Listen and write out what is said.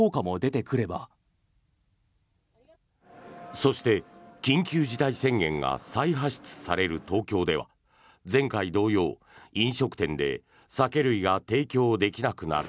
そして、緊急事態宣言が再発出される東京では前回同様、飲食店で酒類が提供できなくなる。